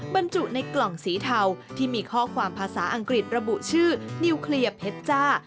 บรรจุในกล่องสีเทาที่มีข้อความภาษาอังกฤษระบุชื่อนิวเคลียร์เพชรจ้า